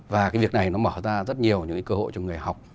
và cái việc này nó mở ra rất nhiều những cái cơ hội cho người học